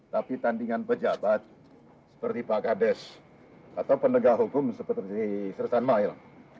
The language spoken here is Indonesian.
tapi tandingan pejabat seperti pak gades atau penegak hukum seperti sersanmail